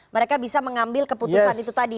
mereka bisa mengambil keputusan itu tadi